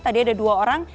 tadi ada dua orang